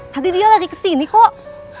tadi dia lari kesini kok